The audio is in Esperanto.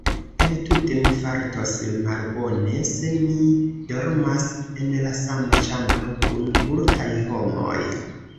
Entute mi fartos malbone se mi dormas en la sama ĉambro kun multaj homoj.